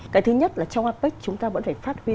cái thứ nhất là trong apec chúng ta vẫn phải phát huy